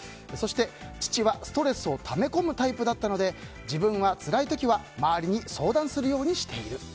そして、父はストレスをため込むタイプだったので自分はつらい時は周りに相談するようにしている。